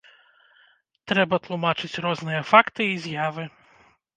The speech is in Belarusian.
Трэба тлумачыць розныя факты і з'явы.